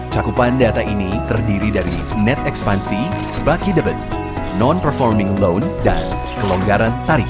cakupan data ini terdiri dari net ekspansi baki debit non performing loan dan kelonggaran tarik